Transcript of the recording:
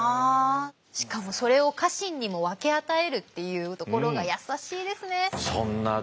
しかもそれを家臣にも分け与えるっていうところが優しいですね。